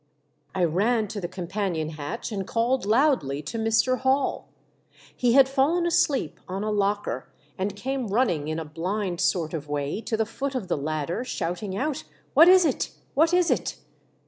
I ran to the companion hatch and called loudly to Mr. Hall. He had fallen asleep on a locker, and came running in a blind sort of way to the foot of the ladder, shouting out, "What is it? What is it?"